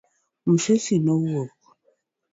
Musesi nowuok